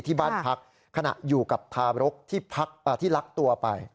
ที่บ้านพักขณะอยู่กับทารกที่ลักตัวไป